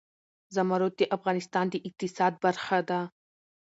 زمرد د افغانستان د اقتصاد برخه ده.